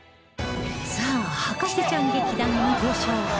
さあ博士ちゃん劇団のご紹介